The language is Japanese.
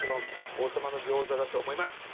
王さまの餃子だと思います